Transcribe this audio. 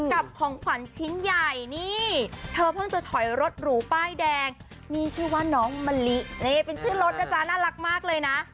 ของขวัญชิ้นใหญ่นี่เธอเพิ่งจะถอยรถหรูป้ายแดงมีชื่อว่าน้องมะลินี่เป็นชื่อรถนะจ๊ะน่ารักมากเลยนะ